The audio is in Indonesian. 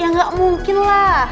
ya gak mungkin lah